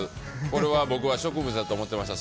これは僕は植物だと思っていました。